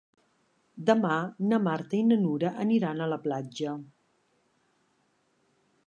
Demà na Marta i na Nura aniran a la platja.